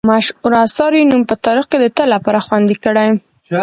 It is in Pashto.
مشهورو اثارو یې نوم په تاریخ کې د تل لپاره خوندي کړی.